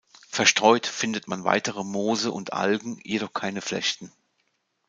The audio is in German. Verstreut findet man weitere Moose und Algen, jedoch keine Flechten.